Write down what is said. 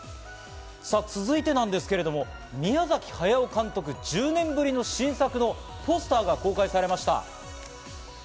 続いて、宮崎駿監督、１０年ぶりの新作のポスターが公開されました。